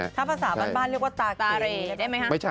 ถ้าภาษาบ้านบ้านเรียกว่าตาเก๋ได้ไหมฮะ